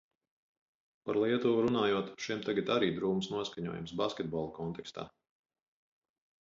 Par Lietuvu runājot, šiem tagad arī drūms noskaņojums basketbola kontekstā.